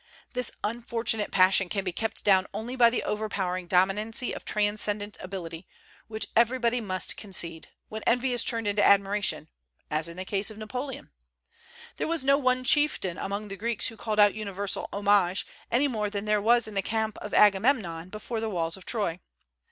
This unfortunate passion can be kept down only by the overpowering dominancy of transcendent ability, which everybody must concede, when envy is turned into admiration, as in the case of Napoleon. There was no one chieftain among the Greeks who called out universal homage any more than there was in the camp of Agamemnon before the walls of Troy.